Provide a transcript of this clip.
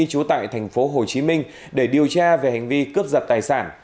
trú tại thành phố hồ chí minh để điều tra về hành vi cướp giật tài sản